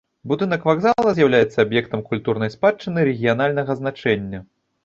Будынак вакзала з'яўляецца аб'ектам культурнай спадчыны рэгіянальнага значэння.